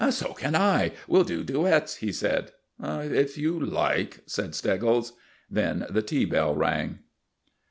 "So can I. We'll do duets," he said. "If you like," said Steggles. Then the tea bell rang.